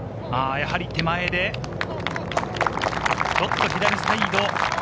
やはり手前で、ちょっと左サイド。